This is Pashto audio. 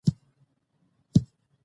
د پرېکړو ځنډ ستونزې زیاتوي